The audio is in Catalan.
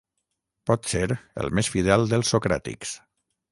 potser el més fidel dels socràtics